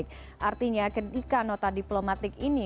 oke pak judah artinya ketika nota diplomatik ini